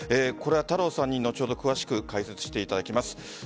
これは太郎さんに後ほど、詳しく解説していただきます。